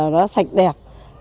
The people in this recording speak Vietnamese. nó sạch đẹp